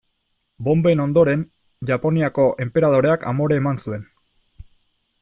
Bonben ondoren, Japoniako enperadoreak amore eman zuen.